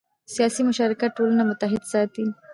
سیاسي مشارکت ټولنه متحد ساتي